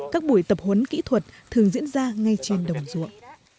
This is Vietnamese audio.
các buổi tập huấn kỹ thuật thường diễn ra ngay trên đồng ruộng